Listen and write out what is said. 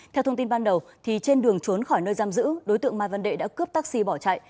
theo thông tin ban đầu trên đường trốn khỏi nơi giam giữ đối tượng mai văn đệ đã cướp taxi bỏ chạy